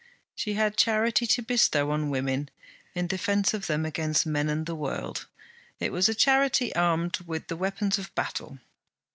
She had charity to bestow on women; in defence of them against men and the world, it was a charity armed with the weapons of battle.